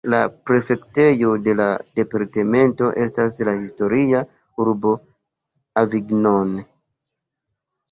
La prefektejo de la departemento estas la historia urbo Avignon.